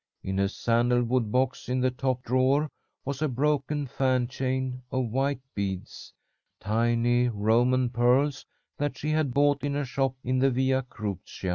In a sandalwood box in the top drawer was a broken fan chain of white beads tiny Roman pearls that she had bought in a shop in the Via Crucia.